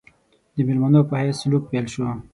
د مېلمنو په حیث سلوک پیل شو.